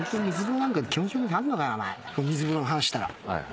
水風呂の話したら。